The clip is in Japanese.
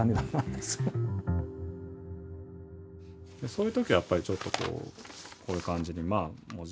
そういうときはやっぱりちょっとこうこういう感じに。